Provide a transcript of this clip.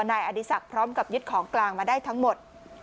นายอดีศักดิ์พร้อมกับยึดของกลางมาได้ทั้งหมด